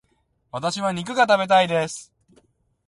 私は肉が食べたいです。